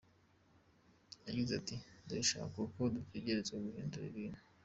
Yagize ati: "Ndabishaka kuko dutegerezwa guhindura ibintu.